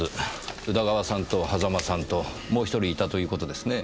宇田川さんと狭間さんともう１人いたという事ですねぇ。